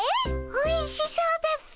おいしそうだっピ。